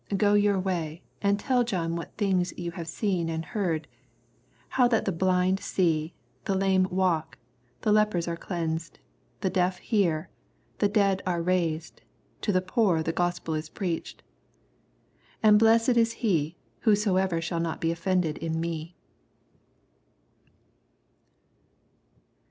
Go your way, and tell John what thin^ ye have seen and heard ; how that tne blind see, the lame walk, the lepers are cleansed, the deaf hear, the dead are raised, to the poor thf Gospel is preached. 23 And blessed is A«, whosoevei shall not be offended in me.